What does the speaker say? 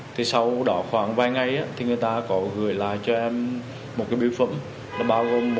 thì sau đó khoảng vài ngày thì người ta có gửi lại cho em một cái biểu phẩm